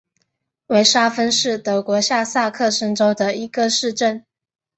维沙芬是德国下萨克森州的一个市镇。